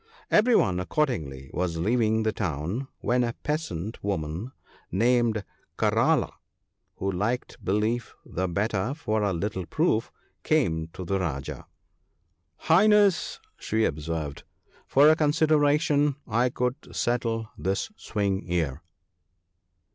Every one, accordingly, was leaving the town, when a peasant woman named Karala, who liked belief the better for a little proof, came to the Rajah. " Highness !" she observed, " for a consideration I could settle this Swing ear."